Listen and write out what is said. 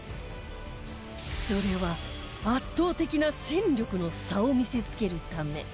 それは圧倒的な戦力の差を見せ付けるため